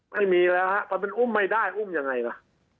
ไม่มีแล้วครับแต่เป็นอุ้มไม่ได้อุ้มยังไงล่ะ